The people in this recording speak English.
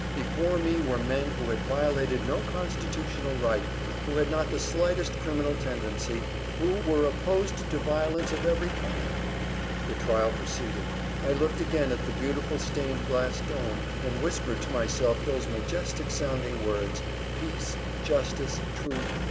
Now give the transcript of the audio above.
Before me were men who had violated no constitutional right, who had not the slightest criminal tendency, who, were opposed to violence of every kind. The trial proceeded. I looked again at the beautiful stained glass dome, and whispered to myself those majestic sounding words: "Peace. Justice. Truth.